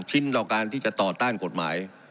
ชิ้นต่อการที่จะต่อต้านกฎหมาย